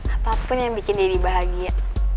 apapun yang bikin deddy bahagia